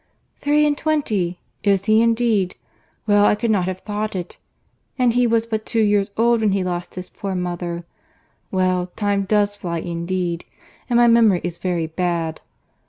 "Three and twenty!—is he indeed?—Well, I could not have thought it—and he was but two years old when he lost his poor mother! Well, time does fly indeed!—and my memory is very bad.